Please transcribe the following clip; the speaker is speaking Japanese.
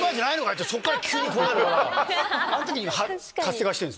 そっから急にこうなるからあの時に活性化してるんすね。